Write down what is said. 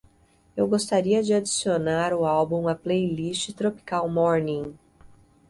Eu gostaria de adicionar o álbum à playlist Tropical Morning.